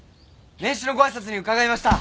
年始のご挨拶に伺いました。